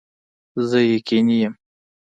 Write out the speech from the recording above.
زه یقیني یم